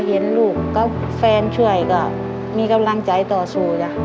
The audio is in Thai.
พ่อเห็นลูกแฟนช่วยมีกำลังใจต่อสู่